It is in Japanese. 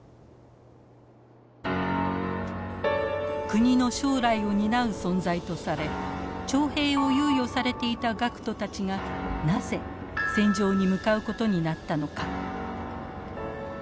国の将来を担う存在とされ徴兵を猶予されていた学徒たちがなぜ戦場に向かうことになったのか。